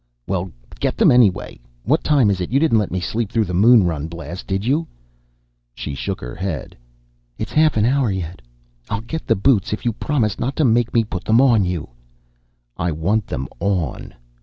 "Well, get them anyway. What time is it? You didn't let me sleep through the moon run blast, did you?" She shook her head. "It's half an hour yet ... I'll get the boots if you promise not to make me put them on you." "I want them on."